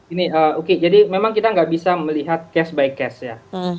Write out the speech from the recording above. ini uki jadi memang kita tidak bisa melihat case by case ya